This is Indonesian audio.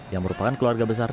yang merupakan keluarga besar